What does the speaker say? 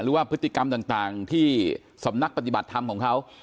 หรือว่าพฤติกรรมต่างที่สำนักปฏิบัติธรรมของเขา